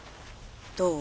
どう？